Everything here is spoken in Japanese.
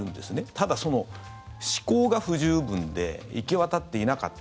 ただ、その施行が不十分で行き渡っていなかった。